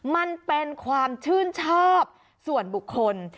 มันเป็นความชื่นชอบส่วนบุคคล